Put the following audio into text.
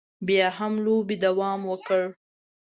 بیا هم لوبې دوام وکړ.